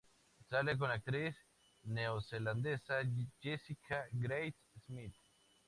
Sale con la actriz neozelandesa Jessica Grace Smith.